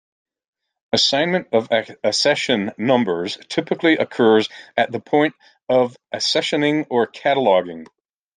Assignment of accession numbers typically occurs at the point of accessioning or cataloging.